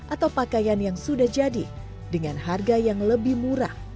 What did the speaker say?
atau pakaian yang sudah jadi dengan harga yang lebih murah